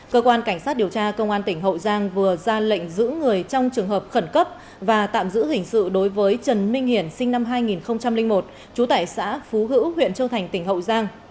cơ quan cảnh sát điều tra công an tỉnh hậu giang vừa ra lệnh giữ người trong trường hợp khẩn cấp và tạm giữ hình sự đối với trần minh hiển sinh năm hai nghìn một trú tại xã phú hữu huyện châu thành tỉnh hậu giang